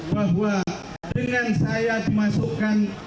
bahwa dengan saya dimasukkan